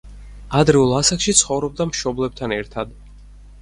ადრეულ ასაკში ცხოვრობდა მშობლებთან ერთად.